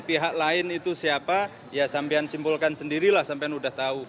pihak lain itu siapa ya sampean simpulkan sendirilah sampean udah tahu